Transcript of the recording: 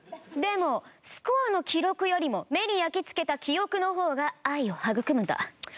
でもスコアの記録よりも目に焼きつけた記憶の方が愛を育むんだ。